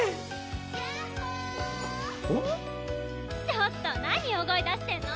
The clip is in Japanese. ちょっと何大声出してんの？